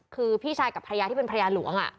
คือพี่ชายกับภรรยาที่เป็นภรรยาหลวง